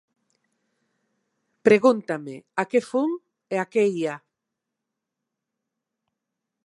Pregúntame a que fun e a que ía.